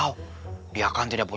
punya tenaga dalam